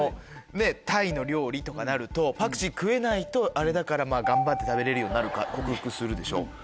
タイの料理とかなるとパクチー食えないとあれだから頑張って食べれるようになるか克服するでしょ。